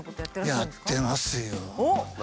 やってますよ。